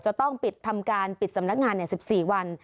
จะต้องปิดทำการปิดสำนักงาน๑๔วัน